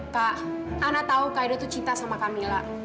kak ana tahu kak edo itu cinta sama kamila